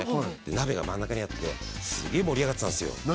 鍋が真ん中にあってすげえ盛り上がってたんですよ